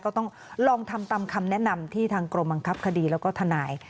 ก็ต้องลองทำตามคำแนะนำที่ทางกรมบังคับคดีแล้วก็ทนาย